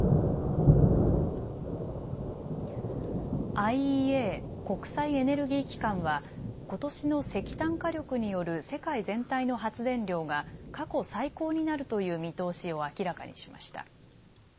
ＩＥＡ・国際エネルギー機関はことしの石炭火力による世界全体の発電量が過去最高になるという見通しを明らかにしました。